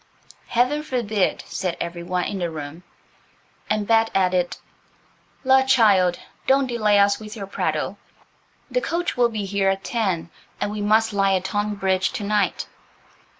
"Heaven forbid," said every one in the room; and Bet added, "La, child, don't delay us with your prattle. The coach will be here at ten, and we must lie at Tonbridge to night."